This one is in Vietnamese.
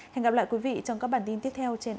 hẹn gặp lại quý vị trong các bản tin tiếp theo trên sau